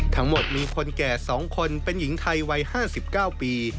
ทั้งหมดมีคนแก่๒คนเป็นหญิงไทยวัย๕๙ปี